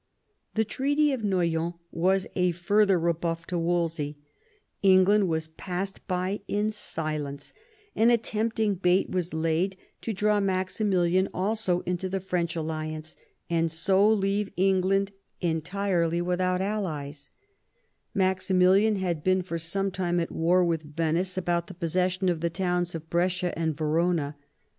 The Treaty of Noyon was a further rebuff to Wolsey, England was passed by in silence, and a tempting bait was laid to draw Maximilian also into the French alliance, and so leave England entirely without allies N in THE UNIVERSAL PEACE 45 Maximilian had been for some time at war with Venice about the possession of the towns of Brescia and Verona.